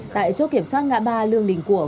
tại chỗ kiểm soát ngã ba lương đình của